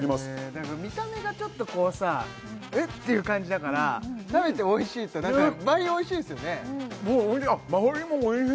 何か見た目がちょっとこうさえっ？ていう感じだから食べておいしいと何か倍おいしいですよねああおいし